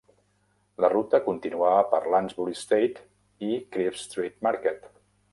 La ruta continuava per Lansbury Estate i Chrisp Street Market.